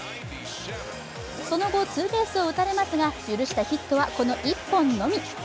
その後、ツーベースを打たれますが許したヒットはこの１本のみ。